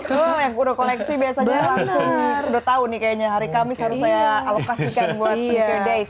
apalagi itu yang udah koleksi biasanya langsung udah tau nih kayaknya hari kamis harus saya alokasikan buat sneaker days